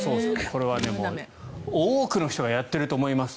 これは多くの人がやっていると思います。